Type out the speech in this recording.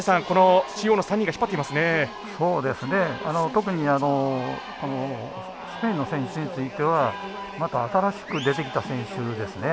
特にスペインの選手についてはまた新しく出てきた選手ですね。